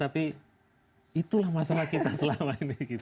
tapi itulah masalah kita selama ini